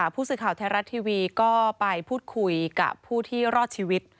ผู้สื่อข่าวไทยรัฐทีวีก็ไปพูดคุยกับผู้ที่รอดชีวิต